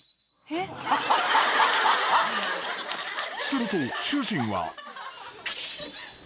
［すると主人は］